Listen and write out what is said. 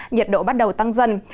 nhiệt độ bắt đầu tăng dần